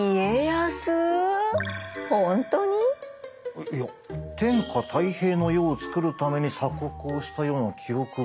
えっいや天下泰平の世をつくるために鎖国をしたような記憶が。